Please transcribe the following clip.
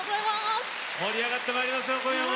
盛り上がってまいりましょう今夜も。